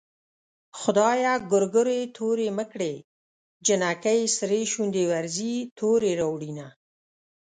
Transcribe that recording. خدايه ګورګورې تورې مه کړې جنکۍ سرې شونډې ورځي تورې راوړينه